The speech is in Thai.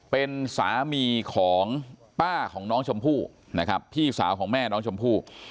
เป็นสามีของป้าของน้องชมพู่นะครับพี่สาวของแม่น้องชมพู่